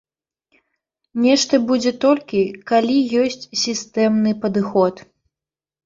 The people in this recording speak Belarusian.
Нешта будзе толькі, калі ёсць сістэмны падыход.